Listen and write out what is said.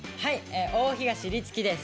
大東立樹です。